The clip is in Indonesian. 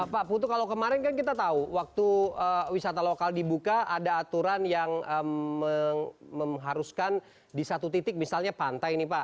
pak putu kalau kemarin kan kita tahu waktu wisata lokal dibuka ada aturan yang mengharuskan di satu titik misalnya pantai ini pak